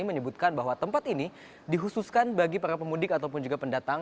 menyebutkan bahwa tempat ini dikhususkan bagi para pemudik ataupun juga pendatang